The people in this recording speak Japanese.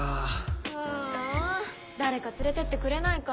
ああ誰か連れてってくれないかな。